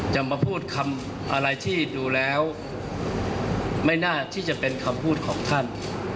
จะมาพูดคำอะไรที่ดูแล้วไม่น่าที่จะเป็นคำพูดของท่าน